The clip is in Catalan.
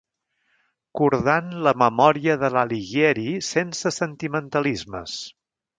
Cordant la memòria de l'Alighieri sense sentimentalismes.